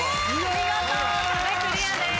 見事壁クリアです。